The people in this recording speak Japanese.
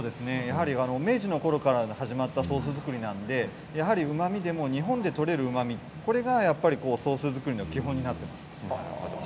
明治のころから始まったソース作りなんですが日本で取れるうまみがソース作りの基本になっています。